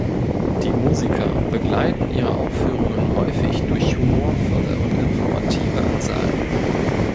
Die Musiker begleiten ihre Aufführungen häufig durch humorvolle und informative Ansagen.